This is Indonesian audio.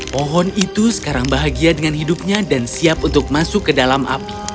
pohon itu sekarang bahagia dengan hidupnya dan siap untuk masuk ke dalam api